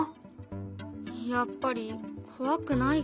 やっぱり怖くないか。